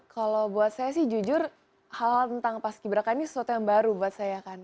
kalau buat saya sih jujur hal tentang paski beraka ini sesuatu yang baru buat saya kan